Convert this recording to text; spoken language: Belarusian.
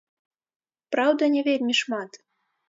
Праўда, не вельмі шмат.